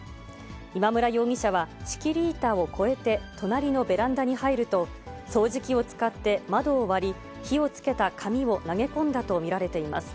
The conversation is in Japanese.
今村容疑者は、仕切り板を越えて隣のベランダに入ると、掃除機を使って窓を割り、火をつけた紙を投げ込んだと見られています。